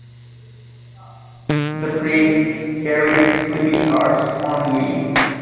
The train carried sleeping cars only.